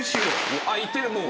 あっいってるもう。